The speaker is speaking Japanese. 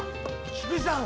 菊路さん